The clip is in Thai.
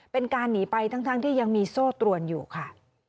เป็นการหนีไปทั้งที่ยังมีโซ่ตรวนอยู่ค่ะ